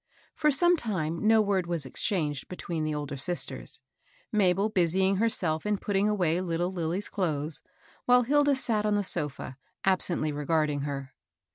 For some time no word was exchanged between the older sisters, — Mabel busying herself in putting away little Lilly's clothes, while Hilda sat on the sofii, absently regarding her.